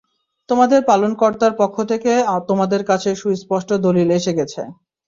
তোমাদের পালনকর্তার পক্ষ থেকে তোমাদের কাছে সুস্পষ্ট দলীল এসে গেছে।